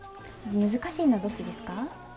難しいのはどっちですか？